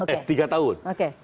eh tiga tahun